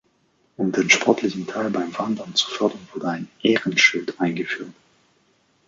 Um den sportlichen Teil beim Wandern zu fördern wurde ein "Ehrenschild" eingeführt.